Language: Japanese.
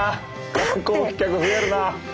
観光客増えるな。